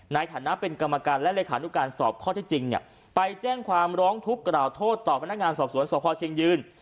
ในฐานะเป็นกรรมการและเลขานุการสอบข้อที่จริงเนี่ยไปแจ้งความร้องทุกข์กล่าวโทษต่อพนักงานสอบสวนสพเชียงยืน